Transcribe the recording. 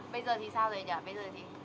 bây giờ thì sao rồi ạ bây giờ thì